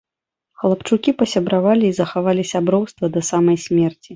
Хлапчукі пасябравалі і захавалі сяброўства да самай смерці.